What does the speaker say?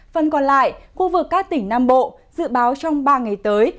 phần còn lại khu vực các tỉnh nam bộ dự báo trong ba ngày tới